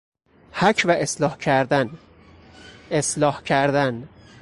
حک و اصلاح کردن، اصلاح کردن